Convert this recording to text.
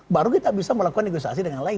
baru kita bisa melakukan negosiasi dengan lain